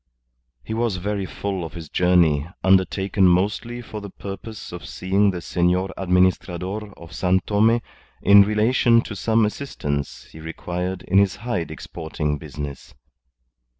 He was very full of his journey, undertaken mostly for the purpose of seeing the Senor Administrador of San Tome in relation to some assistance he required in his hide exporting business.